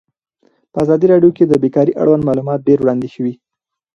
په ازادي راډیو کې د بیکاري اړوند معلومات ډېر وړاندې شوي.